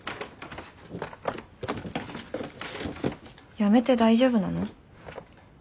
辞めて大丈夫なの？